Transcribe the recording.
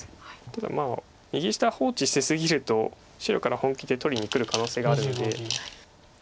ただ右下放置し過ぎると白から本気で取りにくる可能性があるので。